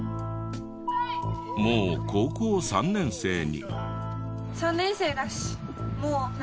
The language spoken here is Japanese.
もう高校３年生に。